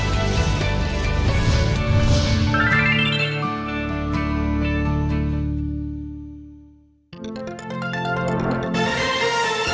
โปรดติดตามตอนต่อไป